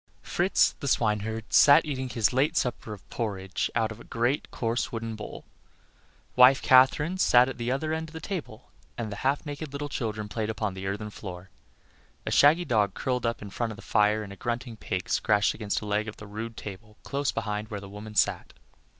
Fritz, the swineherd, sat eating his late supper of porridge out of a great, coarse, wooden bowl; wife Katherine sat at the other end of the table, and the half naked little children played upon the earthen floor. A shaggy dog lay curled up in front of the fire, and a grunting pig scratched against a leg of the rude table close beside where the woman sat.